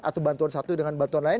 atau bantuan satu dengan bantuan lain